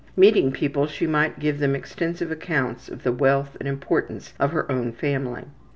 Meeting people she might give them extensive accounts of the wealth and importance of her own family.